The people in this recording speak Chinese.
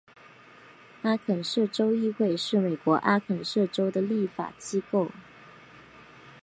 阿肯色州议会是美国阿肯色州的立法机构。